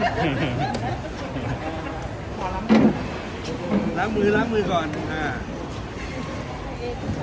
หมอล้ำมือล้ำมือก่อนอ่า